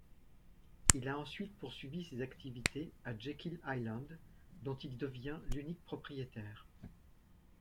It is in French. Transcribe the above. Il a ensuite poursuivi ses activités à Jekyll Island, dont il devient l'unique propriétaire.